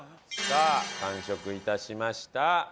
さあ完食致しました。